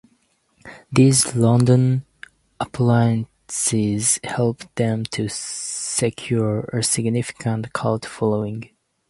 These London appearances helped them to secure a significant cult following.